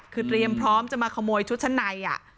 คือเตรียมพร้อมจะมาขโมยชุดชั้นใน